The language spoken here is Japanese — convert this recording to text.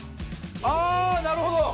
ああーなるほど！